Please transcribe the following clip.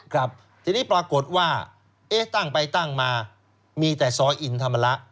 ครับทีนี้ปรากฏว่าเอ๊ะตั้งไปตั้งมามีแต่ซอยอินธรรมระ